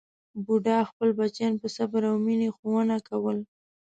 بوډا خپل بچیان په صبر او مینې ښوونه کول.